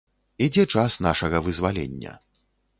Ідзе час нашага вызвалення!